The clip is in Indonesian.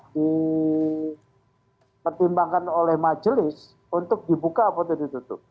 dipertimbangkan oleh majelis untuk dibuka atau ditutup